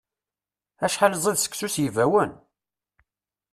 Acḥal ziḍ seksu s yibawen!